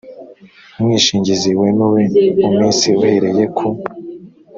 umwishingizi wemewe mu minsi uhereye ku